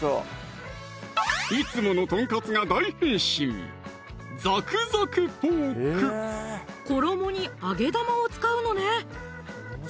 いつものとんかつが大変身衣に揚げ玉を使うのね